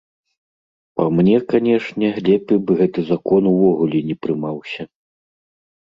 Па мне, канешне, лепей бы гэты закон увогуле не прымаўся.